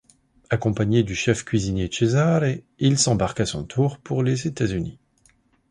Accompagné du chef cuisinier Cesare, il s'embarque à son tour pour les États-Unis.